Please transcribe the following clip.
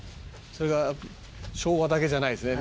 それが昭和だけじゃないですね。